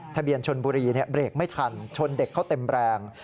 ทะเบียนชนบุรีเบรกไม่ทันชนเด็กเขาเต็มแรง